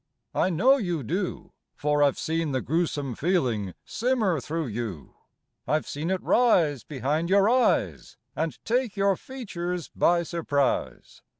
I know you do, for I've seen the gruesome feeling simmer through you. I've seen it rise behind your eyes And take your features by surprise.